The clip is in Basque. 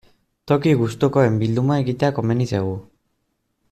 Toki gustukoen bilduma egitea komeni zaigu.